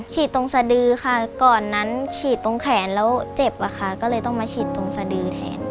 ตรงสดือค่ะก่อนนั้นฉีดตรงแขนแล้วเจ็บอะค่ะก็เลยต้องมาฉีดตรงสะดือแทน